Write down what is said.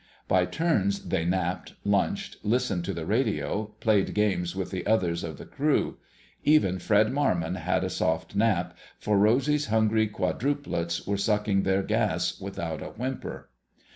By turns, they napped, lunched, listened to the radio, played games with the others of the crew. Even Fred Marmon had a soft snap, for Rosy's hungry "quadruplets" were sucking their gas without a whimper.